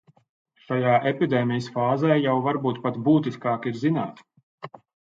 Šajā epidēmijas fāzē jau varbūt pat būtiskāk ir zināt.